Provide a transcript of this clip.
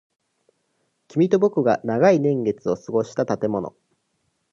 君と僕が長い年月を過ごした建物。